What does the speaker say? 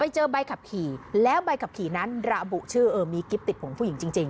เจอใบขับขี่แล้วใบขับขี่นั้นระบุชื่อเออมีกิ๊บติดผมผู้หญิงจริง